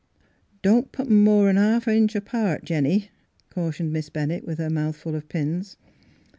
" Don't put 'em more 'n half an inch apart, Jennie," cautioned Miss Bennett, with her mouth full of pins.